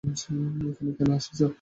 এখানে কেন এসেছ?